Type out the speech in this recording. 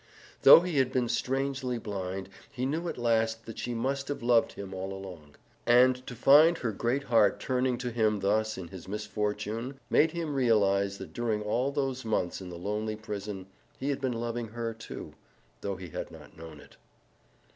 Though he had been strangely blind, he knew at last that she must have loved him all along. And to find her great heart turned to him thus in his misfortune made him realize that during all those months in the lonely prison he had been loving her, too, though he had not known it.